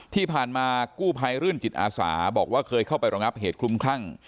ที่ผ่านมากู้ภัยรื่นจิตอาสาบอกว่าเคยเข้าไปรองับเหตุคลุมคลั่ง